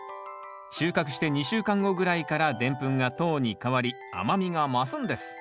収穫して２週間後ぐらいからでんぷんが糖に変わり甘みが増すんです。